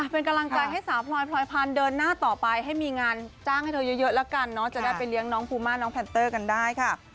เป็นกำลังใจให้สาวพลอยพลอยพันธุ์เดินหน้าต่อไปให้มีงานจ้างให้เธอเยอะแล้วกันเนาะจะได้ไปเลี้ยงน้องภูมาน้องแพนเตอร์กันได้ค่ะ